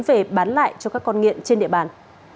về bán lại cho các con nghiện trên địa bàn